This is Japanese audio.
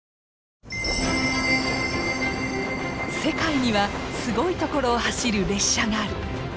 世界にはすごい所を走る列車がある！